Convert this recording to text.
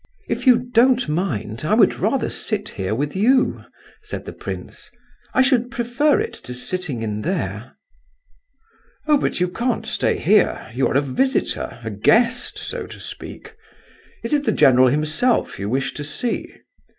"If you don't mind, I would rather sit here with you," said the prince; "I should prefer it to sitting in there." "Oh, but you can't stay here. You are a visitor—a guest, so to speak. Is it the general himself you wish to see?"